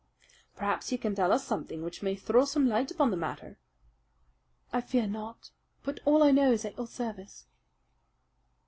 "Perhaps you can tell us something which may throw some light upon the matter." "I fear not; but all I know is at your service."